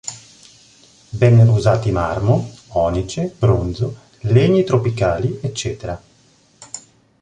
Vennero usati marmo, onice, bronzo, legni tropicali, ecc.